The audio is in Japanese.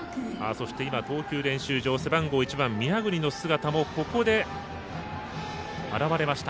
そして、投球練習場背番号１番、宮國の姿もここで現れました。